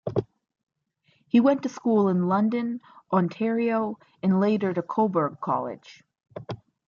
He went to school in London, Ontario and later to Cobourg College.